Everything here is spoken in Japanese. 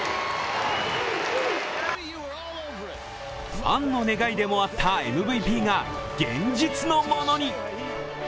ファンの願いでもあったＭＶＰが現実のものに。